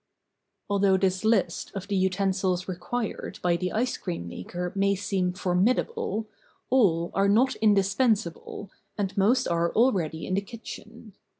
THOUGH this list of the utensils required by the ice cream maker may seem formidable, all are not indispensable, and most are already in the kitchen.